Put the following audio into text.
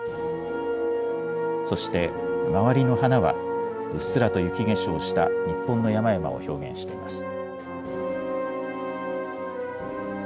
そして周りの花は、うっすらと雪化粧した日本の山々を表現しています。